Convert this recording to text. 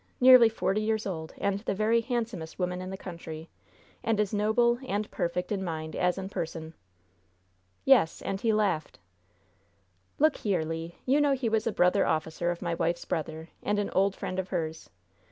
Nearly forty years old, and the very handsomest woman in the country, and as noble and perfect in mind as in person!" "Yes; and he laughed!" "Look here, Le. You know he was a brother officer of my wife's brother, and an old friend of hers.